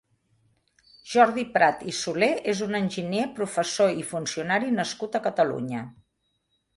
Jordi Prat i Soler és un enginyer, professor i funcionari nascut a Catalunya.